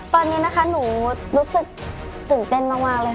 ตอนนี้นะคะหนูรู้สึกตื่นเต้นมากเลยค่ะ